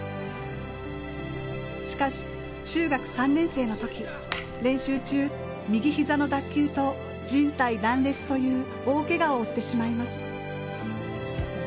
しかし、中学３年生のとき練習中右ひざの脱臼と、じん帯断裂という大けがを負ってしまいます。